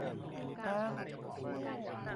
อ๊าง~